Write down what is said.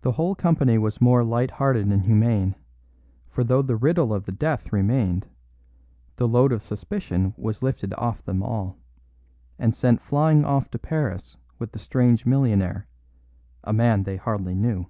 The whole company was more lighthearted and humane, for though the riddle of the death remained, the load of suspicion was lifted off them all, and sent flying off to Paris with the strange millionaire a man they hardly knew.